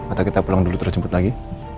atau kita pulang dulu terus jemput lagi